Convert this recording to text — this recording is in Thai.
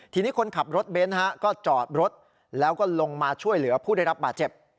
ทีนี้คนขับรถเบนท์ก็จอดรถแล้วก็ลงมาช่วยเหลือผู้ได้รับบาดเจ็บ